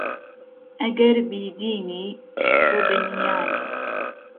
ئەگهر بیدینی تۆ به نییانی